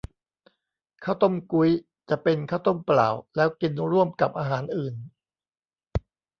ข้าวต้มกุ๊ย จะเป็นข้าวต้มเปล่า แล้วกินร่วมกับอาหารอื่น